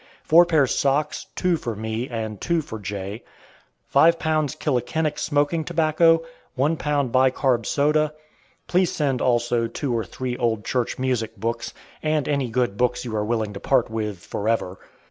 four pairs socks (two for me and two for J.); five pounds Killickinick smoking tobacco; one pound bi carb. soda. Please send also two or three old church music books, and any good books you are willing to part with forever.